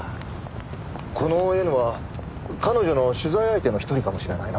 このＮは彼女の取材相手の一人かもしれないな。